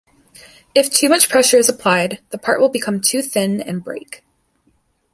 If too much pressure is applied, the part will become too thin and break.